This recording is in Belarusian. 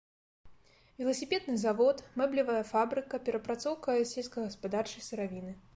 Веласіпедны завод, мэблевая фабрыка, перапрацоўка сельскагаспадарчай сыравіны.